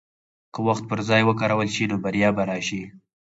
که وخت پر ځای وکارول شي، نو بریا به راشي.